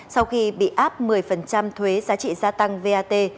sau khi bị áp một mươi thuế giá trị gia tăng vat